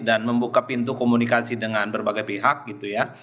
dan membuka pintu komunikasi dengan berbagai pihak gitu ya